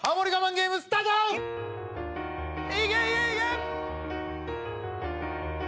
ゲームスタートいけいけいけ！